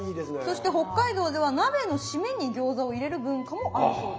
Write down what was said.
そして北海道では鍋の締めに餃子を入れる文化もあるそうです。